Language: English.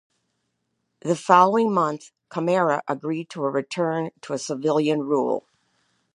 The following month, Camara agreed to a return to civilian rule.